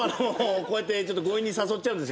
こうやって強引に誘っちゃうんです